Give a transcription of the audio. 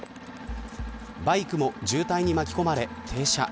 バイクも渋滞に巻き込まれ停車。